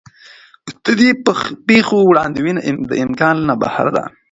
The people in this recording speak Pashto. د دې پېښو وړاندوینه د امکان نه بهر ده.